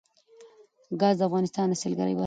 ګاز د افغانستان د سیلګرۍ برخه ده.